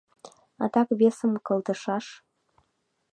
— Адак весым кылдышаш!